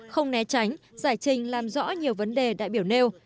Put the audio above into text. không né tránh giải trình làm rõ nhiều vấn đề đại biểu nêu